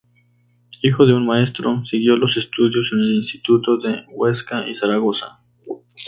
Hijo de un maestro, siguió los estudios en el Instituto de Huesca y Zaragoza.